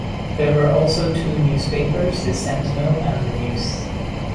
There were also two newspapers, "The Sentinel" and "The News".